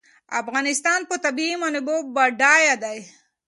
افغانستان په طبیعي منابعو بډای دی.